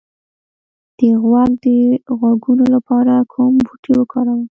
د غوږ د غږونو لپاره کوم بوټی وکاروم؟